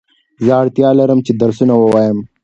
زه اړتیا لرم چي درسونه ووایم